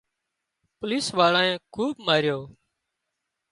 پوليش واۯانئي خوٻ ماريو